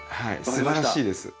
すばらしいです。